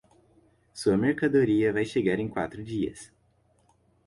Sua mercadoria vai chegar em quatro dias.